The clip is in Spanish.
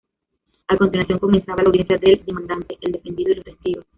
A continuación, comenzaba la audiencia del demandante, el defendido y los testigos.